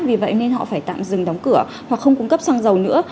vì vậy nên họ phải tạm dừng đóng cửa hoặc không cung cấp xăng dầu nữa